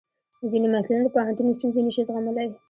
ځینې محصلین د پوهنتون ستونزې نشي زغملی.